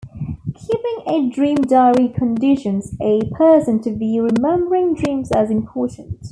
Keeping a dream diary conditions a person to view remembering dreams as important.